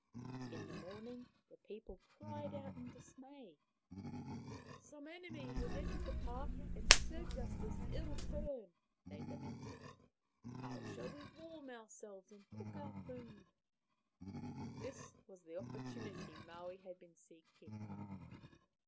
In the morning the people cried out in dismay. " Some enemy has entered the pah and served us this ill turn,'' they lamented. " How shall we warm ourselves and cook our food ?" This was the opportunity Maui had been seek ing.